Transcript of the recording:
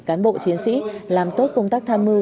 cán bộ chiến sĩ làm tốt công tác tham mưu